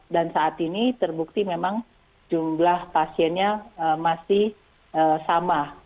dan saat ini terbukti memang jumlah pasiennya masih sama